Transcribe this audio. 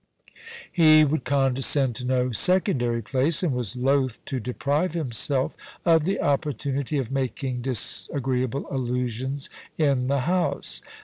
He would condescend to no secondary place, and was loth to deprive himself of the opportunity of making dis agreeable allusions in the House.